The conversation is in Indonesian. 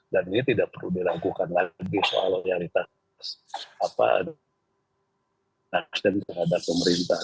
dan ini tidak perlu dilakukan lagi soal loyalitas nasdem terhadap pemerintah